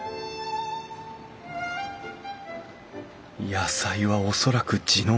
野菜は恐らく地のもの。